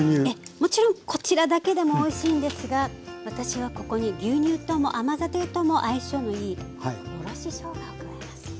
もちろんこちらだけでもおいしいんですが私はここに牛乳とも甘酒とも相性のいいおろししょうがを加えます。